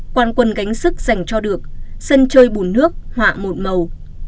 quan quân gánh sức dành cho được sân chơi bùn nước họa một màu